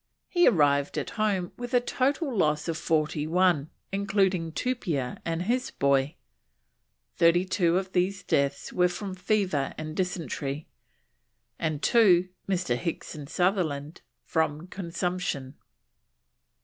He arrived at home with a total loss of forty one, including Tupia and his boy; thirty two of these deaths were from fever and dysentery, and 2, Mr. Hicks and Sutherland, from consumption.